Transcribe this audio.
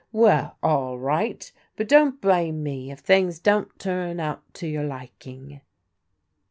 Well, all right, but don't blame me if things don't turn out to your liking."